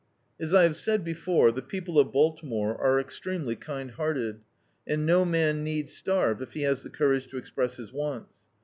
As I have said before, the people of Baltimore are extremely kind hearted, and no man need starve if he has the courage to express his wants.